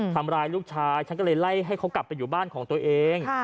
ทำร้ายลูกชายฉันก็เลยไล่ให้เขากลับไปอยู่บ้านของตัวเอง